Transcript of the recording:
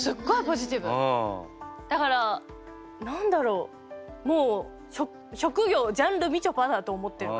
だから何だろう職業ジャンルみちょぱだと思ってるから。